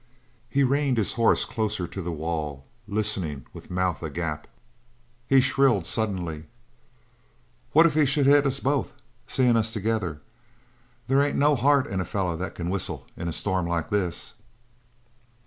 He reined his horse closer to the wall, listening with mouth agape. He shrilled suddenly: "What if he should hit us both, seein' us together? They ain't no heart in a feller that can whistle in a storm like this!"